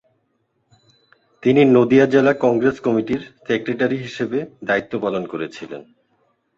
তিনি নদিয়া জেলা কংগ্রেস কমিটির সেক্রেটারি হিসাবে দায়িত্ব পালন করেছিলেন।